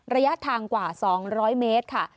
ระยะทางกว่า๒๐๐เมตรค่ะ